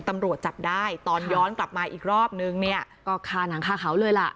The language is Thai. ตำรวจจับได้ตอนย้อนกลับมาอีกรอบนึงเนี่ยก็ฆ่าหนังฆ่าเขาเลยล่ะ